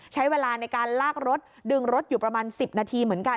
ใช้เวลาในการลากรถดึงรถอยู่ประมาณ๑๐นาทีเหมือนกัน